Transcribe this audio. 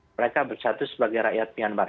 mereka bersatu sebagai rakyat myanmar